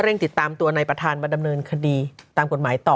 ติดตามตัวนายประธานมาดำเนินคดีตามกฎหมายต่อ